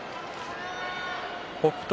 北勝